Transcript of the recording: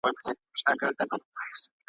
کله کله به یې کور لره تلوار وو `